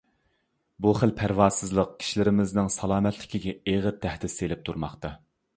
بۇ خىل پەرۋاسىزلىق كىشىلىرىمىزنىڭ سالامەتلىكىگە ئېغىر تەھدىت سېلىپ تۇرماقتا.